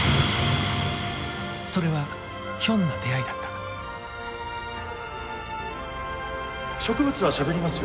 それはひょんな出会いだった植物はしゃべりますよ。